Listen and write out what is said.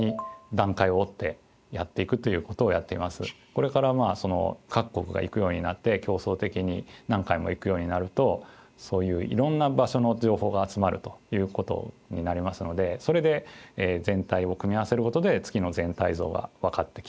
これからまあ各国が行くようになって競争的に何回も行くようになるとそういういろんな場所の情報が集まるということになりますのでそれで全体を組み合わせることで月の全体像が分かってきたり